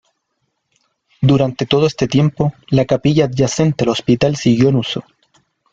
Durante todo este tiempo, la capilla adyacente al hospital siguió en uso.